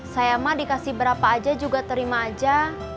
saya mah dikasih berapa aja juga terima aja